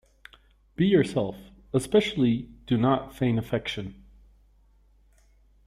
Be yourself. Especially do not feign affection.